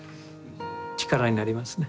力になりますね。